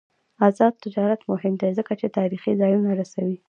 آزاد تجارت مهم دی ځکه چې تاریخي ځایونه رسوي.